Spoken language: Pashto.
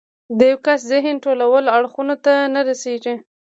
د يوه کس ذهن ټولو اړخونو ته نه رسېږي.